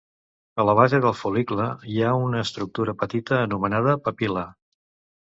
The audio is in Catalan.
A la base del fol·licle hi ha una estructura petita anomenada papil·la.